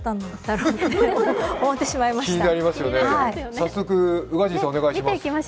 早速、宇賀神さんお願いします。